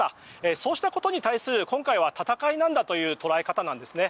そうしたことに対する今回は戦いなんだという捉え方なんですね。